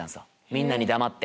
みんなに黙って。